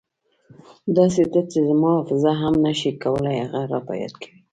داسې تت چې زما حافظه هم نه شي کولای هغه را په یاد کړي.